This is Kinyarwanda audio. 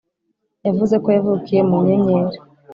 yavuze ko yavukiye mu nyenyeri